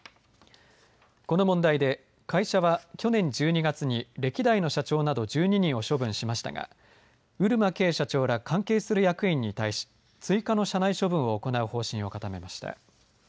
この問題で会社は去年１２月に歴代の社長など１２人を処分しましたが漆間啓社長ら関係する役員に対し追加の社内処分を行う方針を固めました。